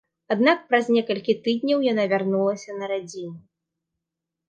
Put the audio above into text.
Аднак праз некалькі тыдняў яна вярнулася на радзіму.